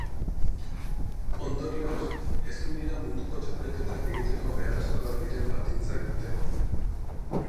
Ondorioz, ezin dira munduko txapelketak egiteko beharrezkoak diren baldintzat bete.